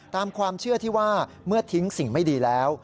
ตามความเชื่อที่ว่าเมื่อทิ้งสิ่งไม่ดีแล้ว